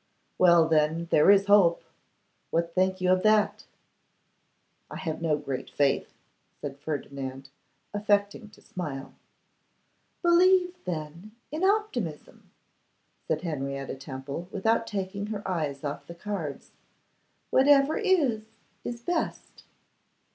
'Well, then, there is Hope; what think you of that?' 'I have no great faith,' said Ferdinand, affecting to smile. 'Believe, then, in optimism,' said Henrietta Temple, without taking her eyes off the cards. 'Whatever is, is best.